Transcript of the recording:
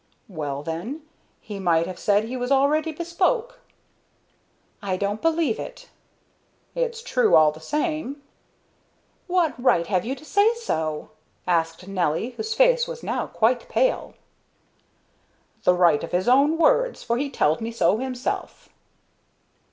"Well, then, he might have said he was already bespoke." "I don't believe it." "It's true, all the same." "What right have you to say so?" asked Nelly, whose face was now quite pale. "The right of his own words, for he telled me so himself."